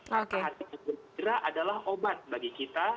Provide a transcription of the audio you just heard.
hati hati yang gembira adalah obat bagi kita